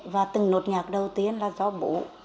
và từng nốt nhạc đầu tiên là do bố